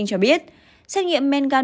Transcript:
cho biết xét nghiệm men gan